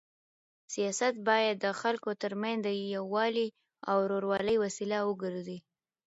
سیاست باید د خلکو تر منځ د یووالي او ورورولۍ وسیله وګرځي.